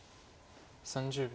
３０秒。